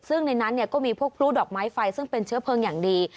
ซึ่งในนั้นก็มีพวกพลุดอกไม้ไฟซึ่งเป็นเชื้อเพลิงอย่างดี